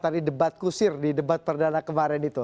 tadi debat kusir di debat perdana kemarin itu